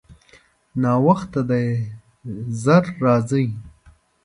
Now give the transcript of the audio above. ناوخته دی، ژر راځئ.